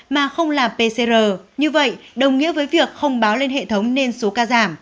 mà không là pcr như vậy đồng nghĩa với việc không báo lên hệ thống nên số ca giảm